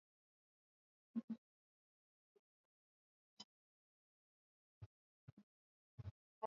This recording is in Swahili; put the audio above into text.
Mexiko Kanada Norwei na UingerezaUrusi kwa